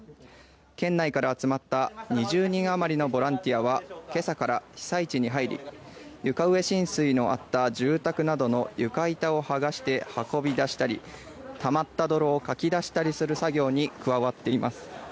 県内から集まった２０人あまりのボランティアは今朝から被災地に入り床上浸水のあった住宅などの床板を剥がして運び出したりたまった泥をかき出したりする作業に加わっています。